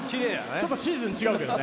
ちょっとシーズン違うけどね。